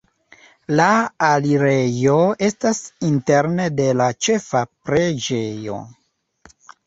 La alirejo estas interne de la ĉefa preĝejo.